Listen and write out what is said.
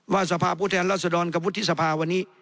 สภาพผู้แทนรัศดรกับวุฒิสภาวันนี้